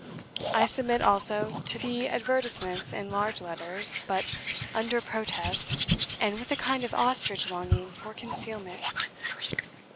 I submit, also, to the advertisements in large letters, but under protest, and with a kind of ostrich longing for concealment.